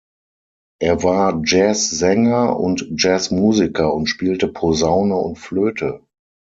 Er war Jazzsänger und Jazzmusiker und spielte Posaune und Flöte.